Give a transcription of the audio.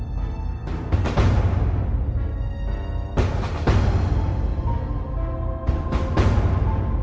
โปรดติดตามต่อไป